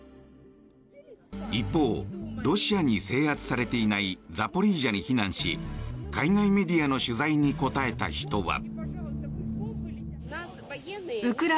一方、ロシアに制圧されていないザポリージャに避難し海外メディアの取材に答えた人は。